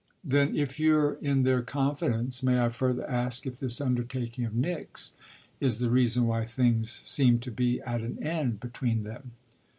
"Then if you're in their confidence may I further ask if this undertaking of Nick's is the reason why things seem to be at an end between them?"